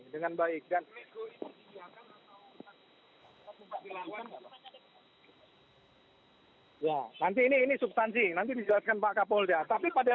saya tidak tahu apakah ini sudah kami kuasai kita mementingkan keselamatan semua pihak